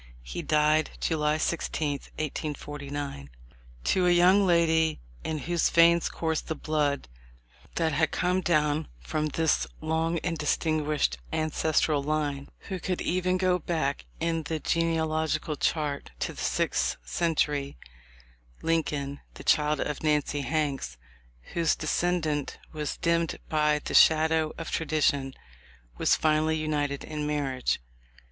He died July 16, 1849. To a young lady in whose veins coursed the blood that had come down from this long and dis tinguished ancestral line, who could even go back in the genealogical chart to the sixth century, Lin coln, the child of Nancy Hanks, whose descent was dimmed by the shadow of tradition, was finally united in marriage.